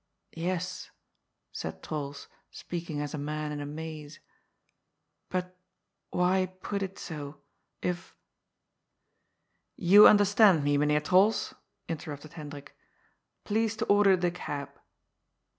" Yes," said Trols, speaking as a man in a maze. " But why put it so ? If " "You understand me. Mynheer Trols," interrupted Hendrik. " Please to order the cab."